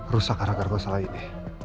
rusak karena masalah ini